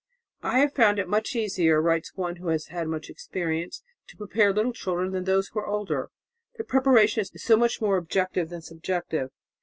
"I have found it much easier," writes one who has had much experience, "to prepare little children than those who are older the preparation is so much more objective than subjective.